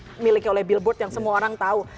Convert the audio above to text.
yang dimiliki oleh billboard yang semua orang tahu